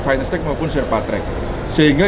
finestec maupun sherpatrack sehingga